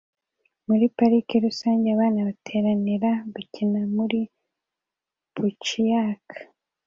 Muri parike rusange abana bateranira gukina muri bouncer yaka